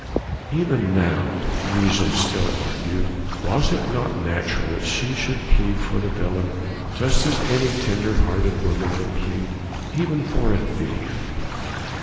Even now reason still argued was it not natural that she should plead for the villain just as any tender natured woman would plead even for a thief.